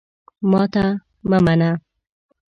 ماته مه منه !